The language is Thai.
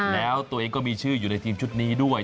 แล้วตัวเองก็มีชื่ออยู่ในทีมชุดนี้ด้วย